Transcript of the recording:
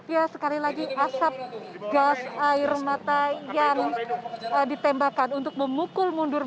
ya sekali lagi asap gas air mata yang ditembakkan untuk memukul mundur